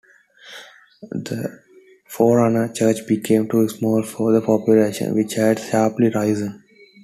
The forerunner church became too small for the population, which had sharply risen.